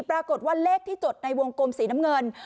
ปรากฏว่าเลขที่จดในวงกลมสีน้ำเงิน